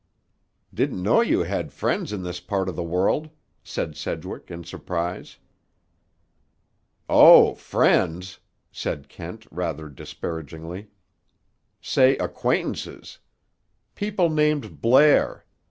"Didn't know you had friends in this part of the world," said Sedgwick in surprise. "Oh, friends!" said Kent rather disparagingly. "Say acquaintances. People named Blair.